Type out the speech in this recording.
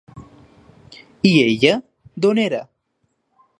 I ella, d'on era?